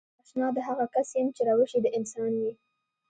زه اشنا د هغه کس يم چې روش يې د انسان وي.